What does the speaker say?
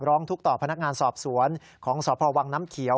ร้องทุกข์ต่อพนักงานสอบสวนของสพวังน้ำเขียว